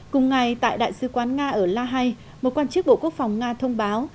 cùng ngày tại đại sứ quán nga ở la hay một quan chức bộ quốc phòng nga thông báo